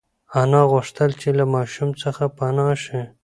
انا غوښتل چې له ماشوم څخه پنا شي.